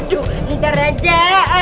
aduh ntar aja